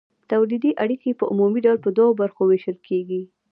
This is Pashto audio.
تولیدي اړیکې په عمومي ډول په دوو برخو ویشل کیږي.